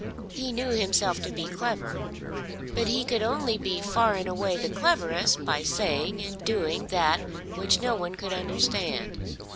He knew himself to be clever. But he could only be far and away the cleverest by saying and doing that which no one could understand.